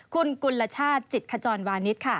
คุณกุลชาติจิตขจรวานิสค่ะ